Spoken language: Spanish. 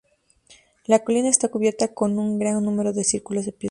La colina está cubierta con un gran número de círculos de piedra.